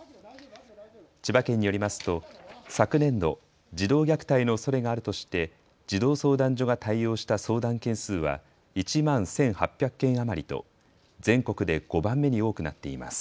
千葉県によりますと、昨年度、児童虐待のおそれがあるとして、児童相談所が対応した相談件数は、１万１８００件余りと、全国で５番目に多くなっています。